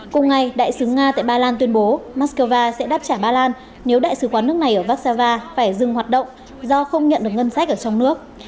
cùng ngày đại sứ nga tại ba lan tuyên bố moscow sẽ đáp trả ba lan nếu đại sứ quán nước này ở vác xa va phải dừng hoạt động do không nhận được ngân sách ở trong nước